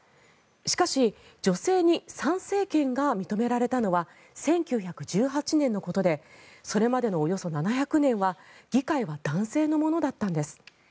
しかし女性に参政権が認められたのは１９１８年のことでそれまでのおよそ７００年は議会は男性のものだったんです。